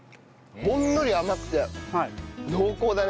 ほんのり甘くて濃厚だね。